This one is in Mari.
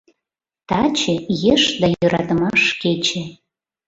— Таче — Еш да йӧратымаш кече!